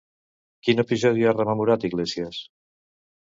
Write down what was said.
Quin episodi ha rememorat Iglesias?